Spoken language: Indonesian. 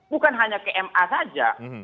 bukan hanya kma saja